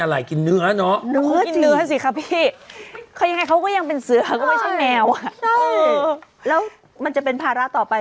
แล้วมันจะเป็นภาระต่อไป